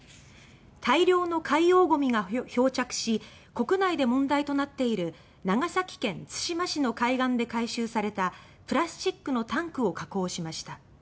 大量の海洋ごみが漂着し国内で問題となっている長崎県・対馬市の海岸で回収されたプラスチックのタンクを加工しました。